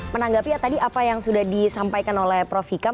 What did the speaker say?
menanggapi tadi apa yang sudah disampaikan oleh prof hikam